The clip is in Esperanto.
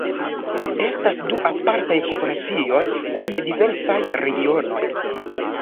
Estas du apartaj populacioj kun diversaj regionoj.